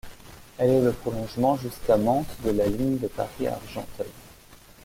Elle est le prolongement jusqu'à Mantes de la ligne de Paris à Argenteuil.